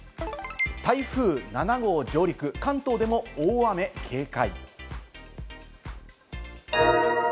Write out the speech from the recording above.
台風７号上陸、関東でも大雨警戒。